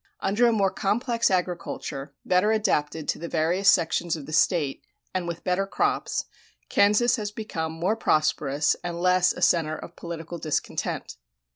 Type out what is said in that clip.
Under a more complex agriculture, better adapted to the various sections of the State, and with better crops, Kansas has become more prosperous and less a center of political discontent.